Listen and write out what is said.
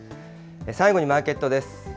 最後にマーケットです。